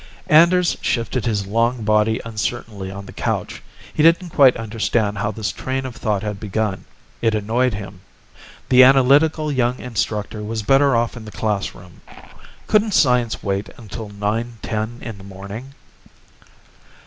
Anders shifted his long body uncertainly on the couch. He didn't quite understand how this train of thought had begun. It annoyed him. The analytical young instructor was better off in the classroom. Couldn't science wait until 9:10 in the morning?